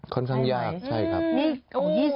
ค่อนข้างยากใช่ครับว่าถ่ายไว้ไม่ได้